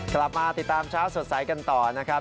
กลับมาติดตามเช้าสดใสกันต่อนะครับ